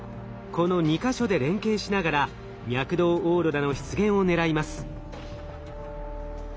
この２か所で連携しながら脈動オーロラの出現を狙います。